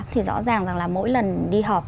thì rõ ràng là mỗi lần đi họp